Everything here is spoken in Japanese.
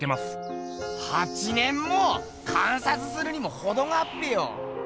８年も⁉観察するにもほどがあっぺよ！